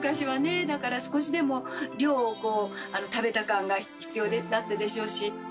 だから少しでも量をこう食べた感が必要だったでしょうし。